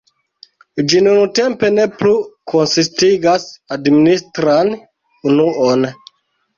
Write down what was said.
Ĝi nuntempe ne plu konsistigas administran unuon.